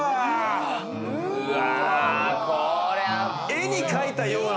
絵に書いたような。